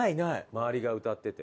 周りが歌ってて。